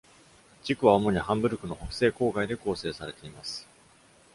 地区は主にハンブルクの北西郊外で構成されています。